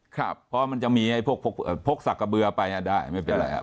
เพราะมันจะมีพวกพกสักกระเบือไปได้ไม่เป็นไรครับ